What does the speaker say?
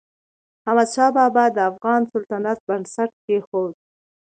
احمدشاه بابا د افغان سلطنت بنسټ کېښود.